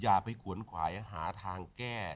อย่าไปขวนขวายหาทางแก้